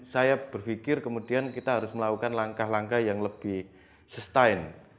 saya berpikir kemudian kita harus melakukan langkah langkah yang lebih sustain